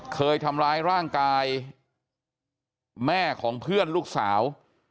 เคยทำร้ายร่างกายแม่ของเพื่อนลูกสาว